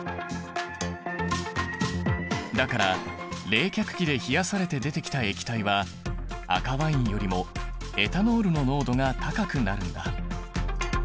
だから冷却器で冷やされて出てきた液体は赤ワインよりもエタノールの濃度が高くなるんだ。